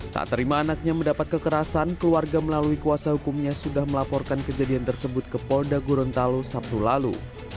tak terima anaknya mendapat kekerasan keluarga melalui kuasa hukumnya sudah melaporkan kejadian tersebut ke polda gorontalo sabtu lalu